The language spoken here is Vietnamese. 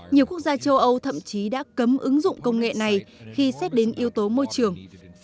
nhiều quốc gia châu âu thậm chí đã cấm ứng dụng công nghệ này khi xét đến yếu tố môi trường